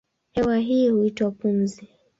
Hewa hii huitwa pumzi.